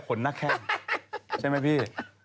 ผลนักแข้งใช่ไหมพี่